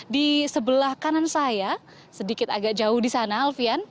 di sebelah kanan saya sedikit agak jauh di sana alfian